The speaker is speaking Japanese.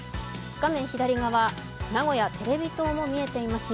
画面左側、名古屋テレビ塔も見えていますね。